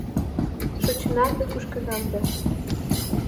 Шочынам да, кушкынам да